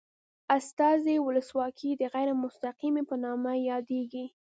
استازي ولسواکي د غیر مستقیمې په نامه یادیږي.